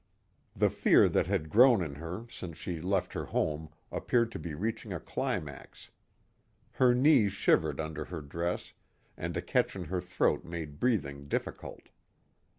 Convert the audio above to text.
The fear that had grown in her since she left her home appeared to be reaching a climax. Her knees shivered under her dress and a catch in her throat made breathing difficult.